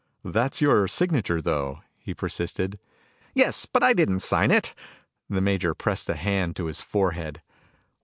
"That's your signature, though," he persisted. "Yes, but I didn't sign it." The major pressed a hand to his forehead.